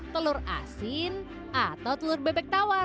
telur asin atau telur bebek tawar